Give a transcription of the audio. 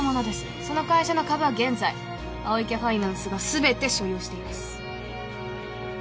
その会社の株は現在青池ファイナンスが全て所有しています。